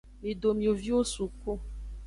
Mido mioviwo suku.